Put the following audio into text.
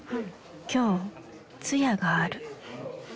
今日通夜がある。